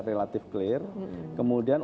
relatif clear kemudian